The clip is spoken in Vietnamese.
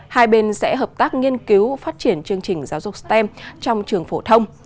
hai bên sẽ hợp tác nghiên cứu phát triển chương trình giáo dục stem trong trường phổ thông